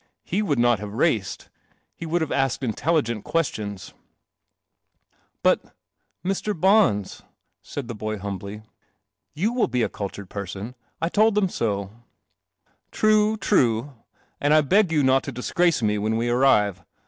lie lid not have race :. He would have asked intelligent question But, Mr. Bona," said the boy humbl , M you will DC a cultured pers n. I t lid them E •■ I rue, true, and I 1 . not t > disgrace me when we arrive.